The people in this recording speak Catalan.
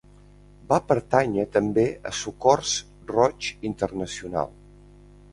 Va pertànyer també a Socors Roig Internacional.